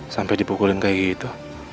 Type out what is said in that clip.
sampai dipukulin kayak gitu